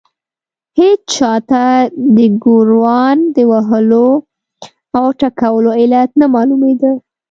هېچا ته د ګوروان د وهلو او ټکولو علت نه معلومېده.